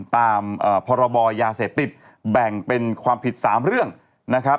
ตามพรบยาเสพติดแบ่งเป็นความผิด๓เรื่องนะครับ